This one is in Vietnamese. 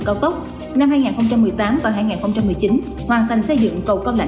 cao tốc tp hcm long thành dầu dây